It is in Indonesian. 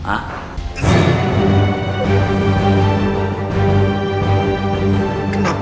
apa yang menyerupu